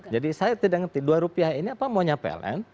jadi saya tidak ngerti dua rupiah ini apa maunya pln